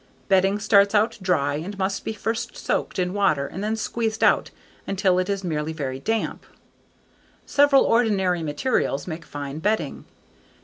Bedding starts out dry and must be first soaked in water and then squeezed out until it is merely very damp. Several ordinary materials make fine bedding.